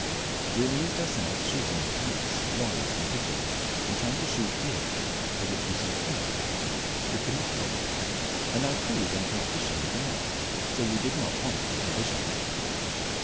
We amused ourselves shooting parrots, lories, and pigeons, and trying to shoot deer, of which we saw plenty, but could not get one; and our crew went out fishing with a net, so we did not want for provisions.